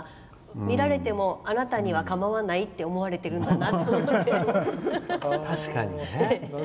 見られてもあなたには構わないって思われてるんだなと確かにね。